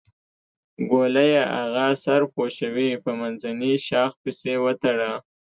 ګوليه اغه سر پوشوې په منځني شاخ پسې وتړه.